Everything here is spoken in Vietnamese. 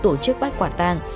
truyết được một bông